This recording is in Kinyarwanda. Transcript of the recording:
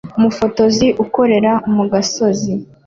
umufotozi ukorera mu gasozi